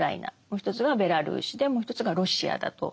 もう一つがベラルーシでもう一つがロシアだと。